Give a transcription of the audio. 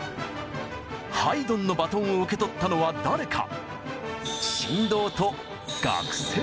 ハイドンのバトンを受け取ったのは誰か？